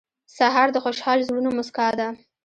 سهار د خوشحال زړونو موسکا ده.